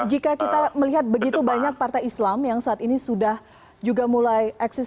jika kita melihat begitu banyak partai islam yang saat ini sudah juga mulai eksis